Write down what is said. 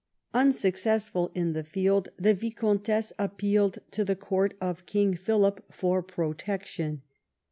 Unsuccessful in the field, the viscountess appealed to the court of King Philip for protection.